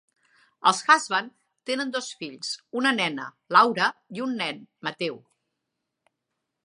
Els Husbands tenen dos fills: una nena, Laura, i un nen, Mateu.